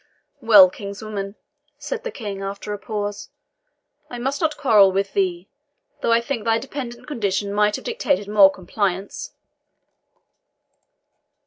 "Well, kinswoman," said the King, after a pause, "I must not quarrel with thee, though I think thy dependent condition might have dictated more compliance."